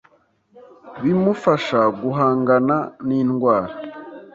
bimufasha guhangana n’indwara